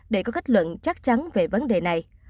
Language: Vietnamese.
để có kết luận chắc chắn về vấn đề này